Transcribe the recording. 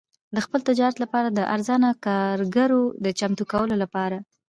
د خپل تجارت لپاره د ارزانه کارګرو د چمتو کولو لپاره.